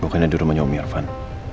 bukannya di rumahnya om irfan